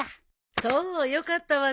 そうよかったわね。